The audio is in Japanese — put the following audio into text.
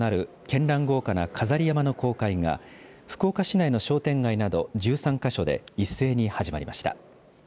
けんらん豪華な飾り山の公開が福岡市内の商店街など１３か所で一斉に始まりました。